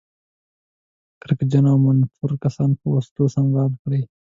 کرکجن او منفور کسان په وسلو سمبال کړي.